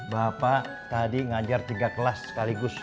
bapak tadi ngajar tiga kelas sekaligus